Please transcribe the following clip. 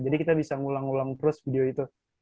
jadi kita bisa ulang ulang terus video itu